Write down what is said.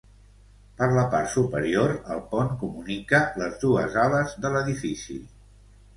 Per la part superior, el pont comunica les dues ales de l'edifici.